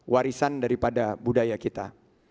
warisan daripada budaya kita